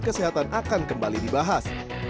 kesehatan akan kembali dibahas